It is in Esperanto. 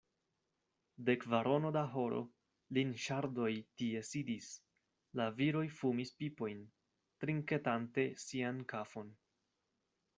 De kvarono da horo, Linŝardoj tie sidis: la viroj fumis pipojn, trinketante sian kafon.